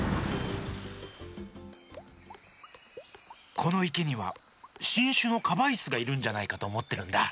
このいけにはしんしゅのカバイスがいるんじゃないかとおもってるんだ。